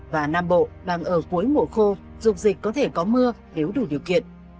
và nam bộ đang ở cuối mùa khô dục dịch có thể có mưa nếu đủ điều kiện